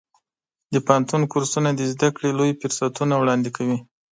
د پوهنتون کورسونه د زده کړې لوی فرصتونه وړاندې کوي.